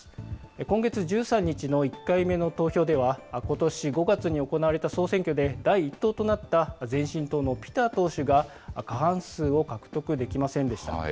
今月１３日の１回目の投票では、ことし５月に行われた総選挙で第１党となった前進党のピター党首が過半数を獲得できませんでした。